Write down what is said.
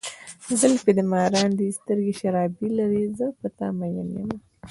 زلفې دې مارانو دي، سترګې شرابي لارې، زه په ته ماين یمه.